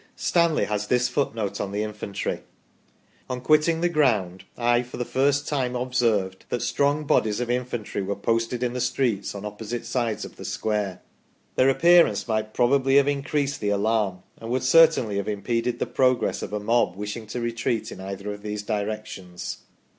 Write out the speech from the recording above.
Stanley has this footnote on the infantry :" on quitting the ground I for the first time observed that strong bodies of infantry MANCHESTER YEOMANRY IN DIFFICULTIES 33 were posted in the streets on opposite sides of the square ; their ap pearance might probably have increased the alarm, and would cer tainly have impeded the progress of a mob wishing to retreat in either of these directions.